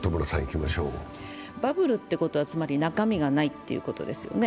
バブルってことは、つまり中身がないってことですよね。